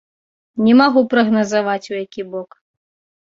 Не магу прагназаваць, у які бок.